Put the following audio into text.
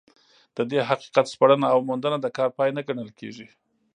د دې حقیقت سپړنه او موندنه د کار پای نه ګڼل کېږي.